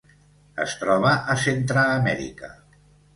Es troba a Centreamèrica: